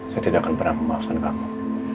saya tidak akan pernah memaafkan kamu